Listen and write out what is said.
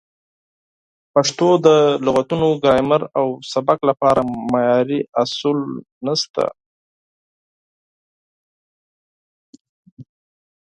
د پښتو د لغتونو، ګرامر او سبک لپاره معیاري اصول نشته.